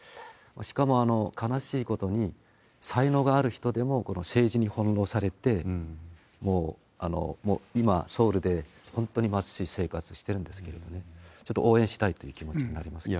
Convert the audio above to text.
しかも、悲しいことに、才能がある人でも政治に翻弄されて、もう今、ソウルで本当に貧しい生活してるんですけど、ちょっと応援したいという気持ちになりますね。